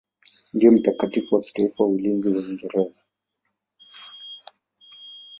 Ndiye mtakatifu wa kitaifa wa ulinzi wa Uingereza.